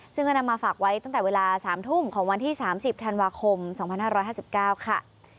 ซึ่งก็นำมาฝากไว้ตั้งแต่เวลา๓ทุ่มของวันที่๓๐ธันวาคม๒๕๕๙ค่ะ